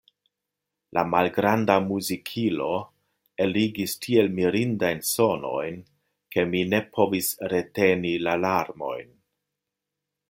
La malgranda muzikilo eligis tiel mirindajn sonojn, ke mi ne povis reteni la larmojn.